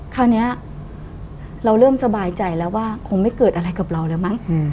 คราวนี้เราเริ่มสบายใจแล้วว่าคงไม่เกิดอะไรกับเราแล้วมั้ง